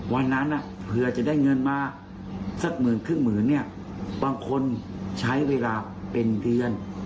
วันนั้นเผื่อจะได้เงินมาสักหมื่นครึ่งหมื่นเนี่ยบางคนใช้เวลาเป็นเดือน